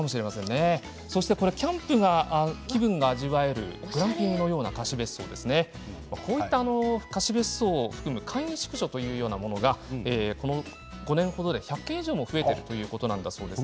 キャンプ気分が味わえるグランピングのような貸し別荘などこういう貸し別荘を含む簡易宿所というものがこの５年程で１００軒以上も増えているということなんだそうです。